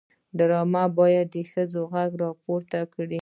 ډرامه باید د ښځو غږ پورته کړي